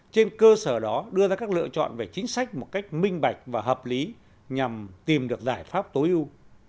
trên cơ sở đó đưa ra các lựa chọn về chính sách một cách minh bạch và hợp lý nhằm tìm được giải pháp tối ưu